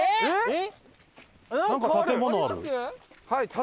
はい。